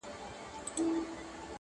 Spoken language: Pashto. او د ټولنې پر ضمير اوږد سيوری پرېږدي-